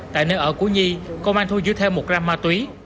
tại nơi ở cú nhi công an thu dưới theo một gram ma túy